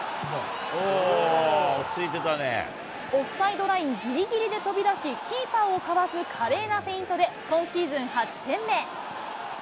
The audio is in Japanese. オフサイドラインぎりぎりで飛び出し、キーパーをかわす華麗なフェイントで、今シーズン８点目。